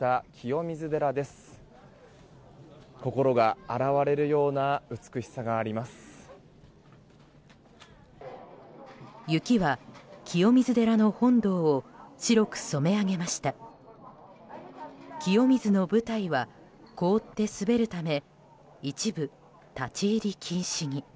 清水の舞台は凍って滑るため一部、立ち入り禁止に。